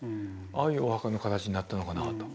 ああいうお墓の形になったのかなと。